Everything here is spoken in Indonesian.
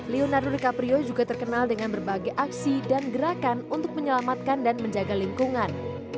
leonardo rekaprio juga terkenal dengan berbagai aksi dan gerakan untuk menyelamatkan dan menjaga lingkungan